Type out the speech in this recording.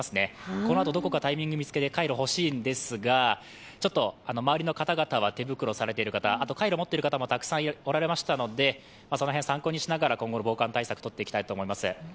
このあとどこかタイミングを見つけてカイロが欲しいんですが周りの方々は手袋されている方、カイロを持っている方もたくさんおられましたので、その辺参考にしながら今後の防寒対策とっていきたいと思います。